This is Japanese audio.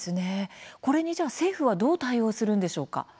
これに政府はどう対応するんでしょうか。